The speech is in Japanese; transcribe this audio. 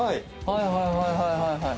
はいはいはいはい。